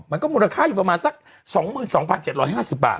มันก็มูลค่าอยู่ประมาณสัก๒๒๗๕๐บาท